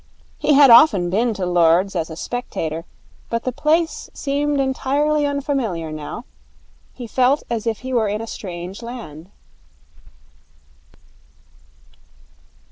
He had often been to Lord's as a spectator, but the place seemed entirely unfamiliar now. He felt as if he were in a strange land.